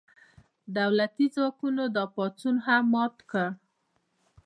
دولتي ځواکونو دا پاڅون هم مات کړ.